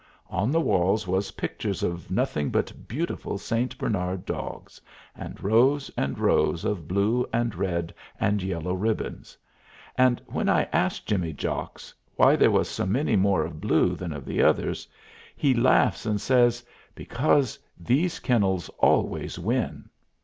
On the walls was pictures of nothing but beautiful St. Bernard dogs, and rows and rows of blue and red and yellow ribbons; and when I asked Jimmy Jocks why they was so many more of blue than of the others, he laughs and says, "Because these kennels always win."